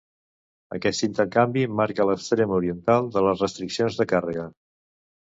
Aquest intercanvi marca l'extrem oriental de les restriccions de càrrega.